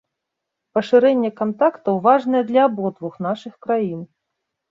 Пашырэнне кантактаў важнае для абодвух нашых краін.